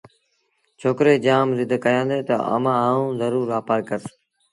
ڇوڪري جآم زد ڪيآݩدي تا امآݩ آئوݩ زرور وآپآر ڪرس